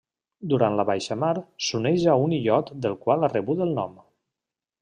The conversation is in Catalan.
Durant la baixamar s'uneix a un illot del qual ha rebut el nom.